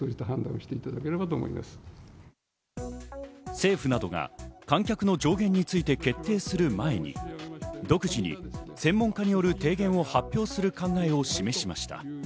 政府などが観客の上限について決定する前に独自に専門家による提言を発表する考えを示しました。